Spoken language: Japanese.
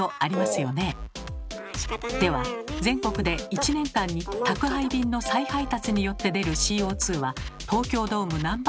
では全国で１年間に宅配便の再配達によって出るＣＯは東京ドーム何杯分かご存じですか？